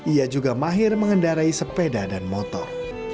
ia juga mahir mengendarai sepeda dan motor